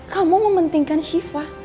kamu mementingkan siva